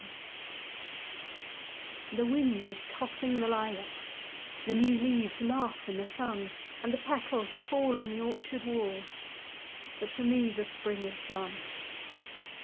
May The wind is tossing the lilacs, The new leaves laugh in the sun, And the petals fall on the orchard wall, But for me the spring is done.